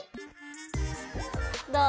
どう？